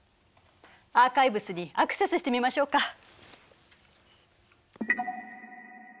アーカイブスにアクセスしてみましょうか。